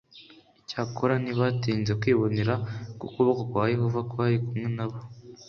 Icyakora ntibatinze kwibonera ko ukuboko kwa Yehova kwari kumwe na bo